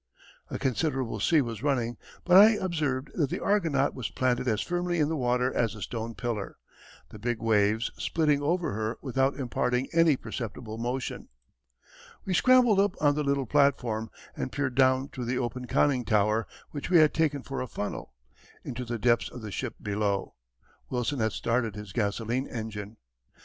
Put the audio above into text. A considerable sea was running, but I observed that the Argonaut was planted as firmly in the water as a stone pillar, the big waves splitting over her without imparting any perceptible motion. We scrambled up on the little platform, and peered down through the open conning tower, which we had taken for a funnel, into the depths of the ship below. Wilson had started his gasoline engine. Mr.